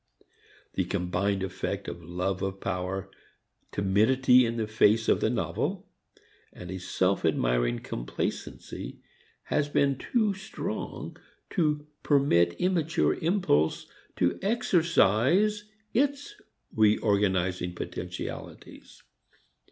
The combined effect of love of power, timidity in the face of the novel and a self admiring complacency has been too strong to permit immature impulse to exercise its re organizing potentialities.